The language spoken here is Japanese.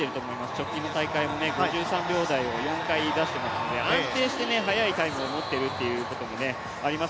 直近の大会も５３秒台を４回出していますので安定して速いタイムを持っているということもあります